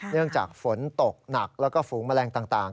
เนื่องจากฝนตกหนักแล้วก็ฝูงแมลงต่าง